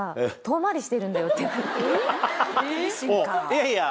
いやいや。